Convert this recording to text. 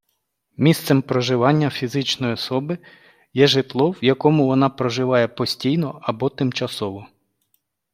Місцем проживання фізичної особи є житло, в якому вона проживає постійно або тимчасово.